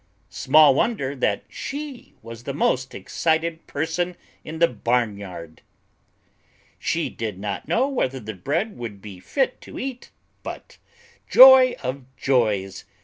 Small wonder that she was the most excited person in the barnyard! She did not know whether the bread would be fit to eat, but joy of joys!